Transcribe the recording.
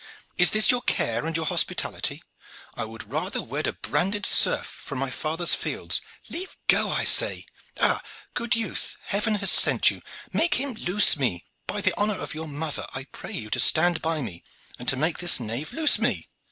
Is this your care and your hospitality? I would rather wed a branded serf from my father's fields. Leave go, I say Ah! good youth, Heaven has sent you. Make him loose me! By the honor of your mother, I pray you to stand by me and to make this knave loose me."